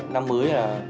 năm mới là